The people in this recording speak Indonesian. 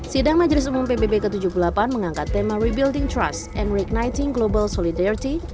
sidang majelis umum pbb ke tujuh puluh delapan mengangkat tema rebuilding trust and regnighting global solidarity